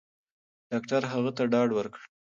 ډاکټر هغه ته ډاډ ورکړ.